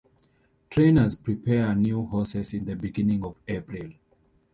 Trainers prepare new horses in the beginning of April.